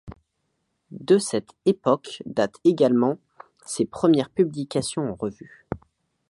De cette époque datent également ses premières publications en revue.